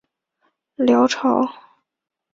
辽朝只能全力固守幽蓟。